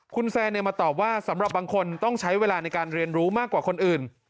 คุณแซนมาตอบว่าสำหรับบางคนต้องใช้เวลาในการเรียนรู้มากกว่าคนอื่น